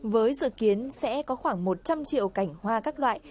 với dự kiến sẽ có khoảng một trăm linh triệu cảnh hoa các loại